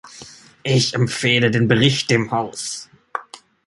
Ich empfehle den Bericht dem Haus.